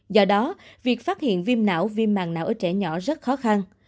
do đó việc phát hiện viêm não viêm mạng não ở trẻ nhỏ rất khó khăn